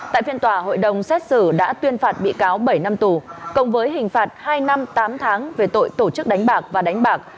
tại phiên tòa hội đồng xét xử đã tuyên phạt bị cáo bảy năm tù cộng với hình phạt hai năm tám tháng về tội tổ chức đánh bạc và đánh bạc